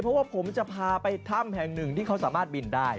เพราะว่าผมจะพาไปถ้ำแห่งหนึ่งที่เขาสามารถบินได้